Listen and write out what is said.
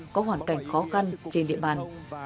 có hoàn cảnh khó khăn trên địa bàn